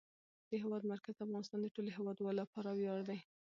د هېواد مرکز د افغانستان د ټولو هیوادوالو لپاره ویاړ دی.